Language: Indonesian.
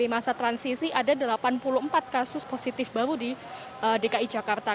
masa transisi ada delapan puluh empat kasus positif baru di dki jakarta